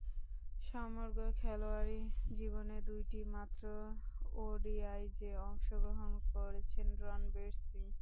সমগ্র খেলোয়াড়ী জীবনে দুইটিমাত্র ওডিআইয়ে অংশগ্রহণ করেছেন রণধীর সিং।